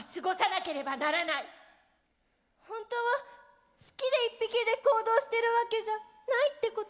本当は好きで一匹で行動してるわけじゃないってこと？